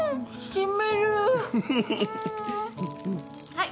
はい。